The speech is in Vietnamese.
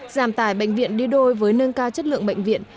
giảm tải bệnh viện đi đôi với nâng cao chất lượng bệnh viện